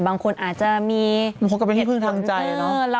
บางคนอาจจะมีมีความคิดว่าเป็นที่พึ่งทางใจเนอะ